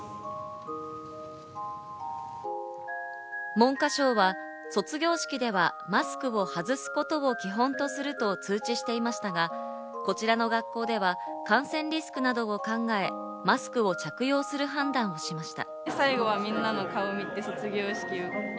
文科省は卒業式ではマスクを外すことを基本とすると通知していましたが、こちらの学校では感染リスクなどを考え、マスクを着用する判断をしました。